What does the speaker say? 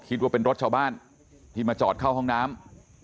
คิดว่าเป็นรถชาวบ้านที่มาจอดเข้าห้องน้ำ